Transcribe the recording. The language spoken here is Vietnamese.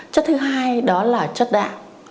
chất thứ hai đó là chất đạm